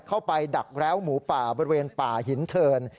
ดักแร้วหมูป่าบริเวณป่าหินเทิน